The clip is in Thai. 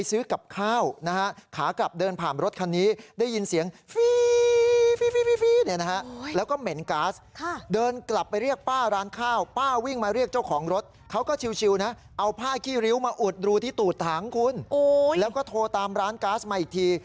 อุดรูที่ตูดถังคุณโอ๊ยแล้วก็โทรตามร้านก๊าซมาอีกที